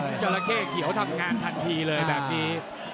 เห็นเจ้าระเข้เขียวทำงานทันทีเลยแบบนี้